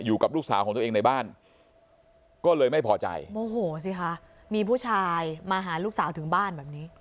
อยู่กับลูกสาวของตัวเองในบ้านก็เลยไม่พอใจโมโหสิคะมีผู้ชายมาหาลูกสาวถึงบ้านแบบนี้